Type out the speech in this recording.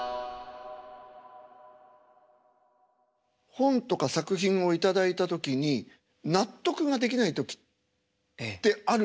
本とか作品を頂いた時に納得ができない時ってあると思うんですよ。